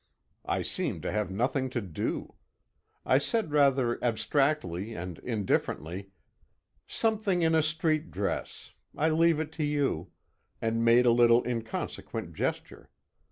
I seemed to have nothing to do. I said rather abstractedly and indifferently "Something in a street dress. I leave it to you," and made a little inconsequent gesture.